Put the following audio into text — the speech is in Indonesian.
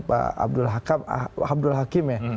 pak abdul hakim ya